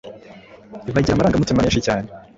bagira amarangamutima menshi cyane